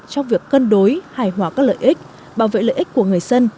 trong việc cân đối hài hòa các lợi ích bảo vệ lợi ích của người dân